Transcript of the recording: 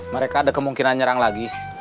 mereka ada kemungkinan nyerang lagi